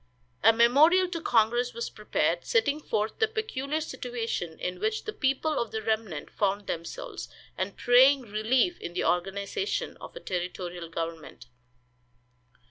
A memorial to congress was prepared, setting forth the peculiar situation in which the people of the remnant found themselves, and praying relief in the organization of a territorial government.